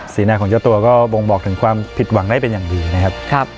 หน้าของเจ้าตัวก็บ่งบอกถึงความผิดหวังได้เป็นอย่างดีนะครับ